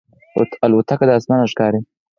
الوتکه د اسمان ښکاریږي.